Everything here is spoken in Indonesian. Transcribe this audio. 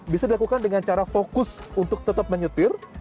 bisa dilakukan dengan cara fokus untuk tetap menyetir